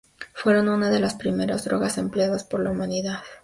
Fueron una de las primeras drogas empleadas por la humanidad.